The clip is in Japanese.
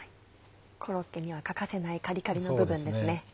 コロッケには欠かせないカリカリの部分ですね。